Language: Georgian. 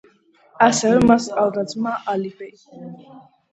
ასევე, მას ჰყავდა ძმა ალი-ბეი.